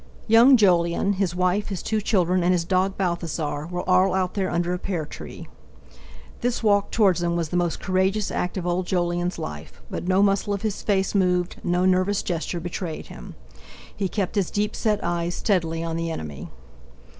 Young Jolyon, his wife, his two children, and his dog Balthasar, were all out there under a pear tree. This walk towards them was the most courageous act of old Jolyon's life; but no muscle of his face moved, no nervous gesture betrayed him. He kept his deep set eyes steadily on the enemy.